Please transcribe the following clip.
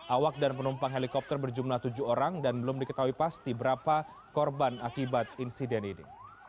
awak dan penumpang helikopter berjumlah tujuh orang dan belum diketahui pasti berapa korban akibat insiden ini